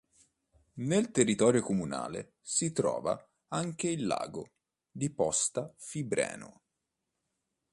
Nel territorio comunale si trova anche il lago di Posta Fibreno.